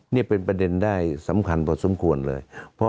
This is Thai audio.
นี่เป็นประเด็นได้สำคัญพอสมควรเลย